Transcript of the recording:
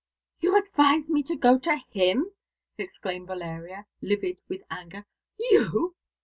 "You advise me to go to him!" exclaimed Valeria, livid with anger. "You!"